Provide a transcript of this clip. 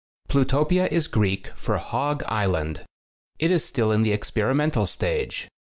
Plutopia is Greek for Hog: Island. It is still in the experimental stag'e.